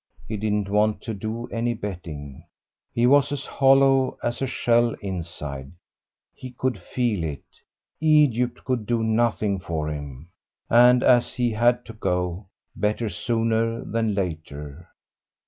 He didn't want to do any betting; he was as hollow as a shell inside, he could feel it. Egypt could do nothing for him, and as he had to go, better sooner than later.